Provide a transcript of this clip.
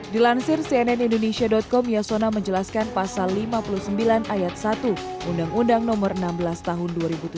dilansir cnn indonesia com yasona menjelaskan pasal lima puluh sembilan ayat satu undang undang nomor enam belas tahun dua ribu tujuh belas